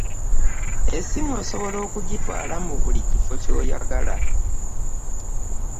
Essimu osobola okugitwala mu buli kifo kyoyagala.